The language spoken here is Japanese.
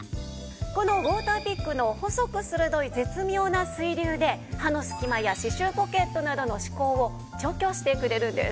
このウォーターピックの細く鋭い絶妙な水流で歯の隙間や歯周ポケットなどの歯垢を除去してくれるんです。